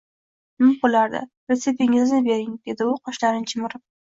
Nima bo`lardi, reseptingizni bering, dedi u qoshlarini chimirib